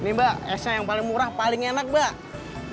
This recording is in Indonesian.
ini mbak esnya yang paling murah paling enak mbak